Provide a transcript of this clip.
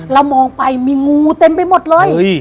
เรามองไปมีงูเต็มไปหมดเลย